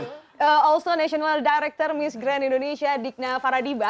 sebenarnya juga direktur nasional miss grand indonesia dikna faradiba